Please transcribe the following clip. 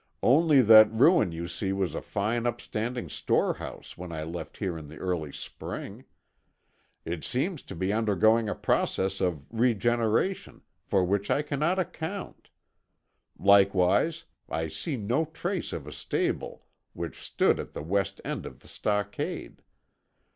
"Only that ruin you see was a fine upstanding storehouse when I left here in the early spring. It seems to be undergoing a process of regeneration, for which I cannot account. Likewise, I see no trace of a stable which stood at the west end of the stockade.